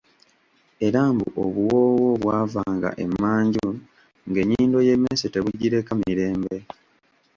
Era mbu obuwoowo obw’ava nga emanju ng'ennyindo y'emmesse tebugireka mirembe!